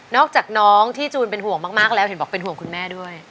อกจากน้องที่จูนเป็นห่วงมากแล้วเห็นบอกเป็นห่วงคุณแม่ด้วย